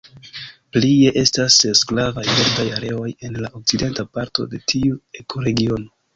Plie, estas ses Gravaj birdaj areoj en la okcidenta parto de tiu ekoregiono.